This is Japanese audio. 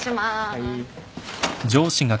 はい。